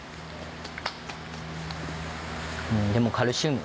うんでもカルシウム。